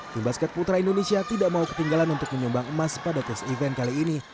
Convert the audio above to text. tim basket putra indonesia tidak mau ketinggalan untuk menyumbang emas pada tes event kali ini